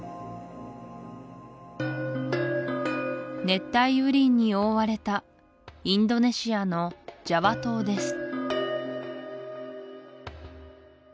熱帯雨林に覆われたインドネシアのジャワ島です